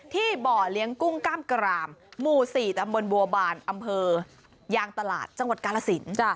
บ่อเลี้ยงกุ้งกล้ามกรามหมู่๔ตำบลบัวบานอำเภอยางตลาดจังหวัดกาลสิน